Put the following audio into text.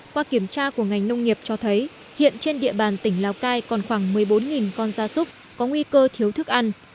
qua kiểm tra của ngành nông nghiệp cho thấy hiện trên địa bàn tỉnh lào cai còn khoảng một mươi bốn con gia súc có nguy cơ thiếu thức ăn